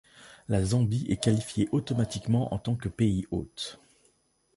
La Zambie est qualifiée automatiquement en tant que pays-hôte.